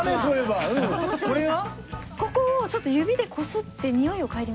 ここをちょっと指でこすって。